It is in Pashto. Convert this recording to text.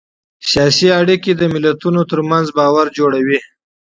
ډيپلوماسي د ملتونو ترمنځ باور جوړوي.